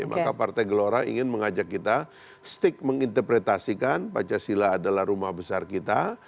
maka partai gelora ingin mengajak kita stick menginterpretasikan pancasila adalah rumah besar kita